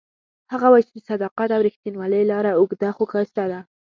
هغه وایي چې د صداقت او ریښتینولۍ لاره اوږده خو ښایسته ده